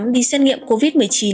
đi xét nghiệm covid một mươi chín